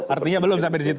artinya belum sampai di situ